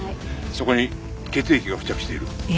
そこに血液が付着している。